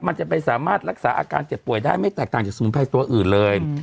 จะไปสามารถรักษาอาการเจ็บป่วยได้ไม่แตกต่างจากสมุนไพรตัวอื่นเลย